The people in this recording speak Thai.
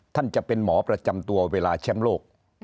ท่านจะเป็นหมอประจำตัวเวลาแชมป์โลก